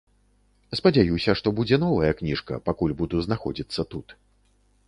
Спадзяюся, што будзе новая кніжка, пакуль буду знаходзіцца тут.